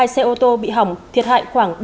hai xe ô tô bị hỏng thiệt hại khoảng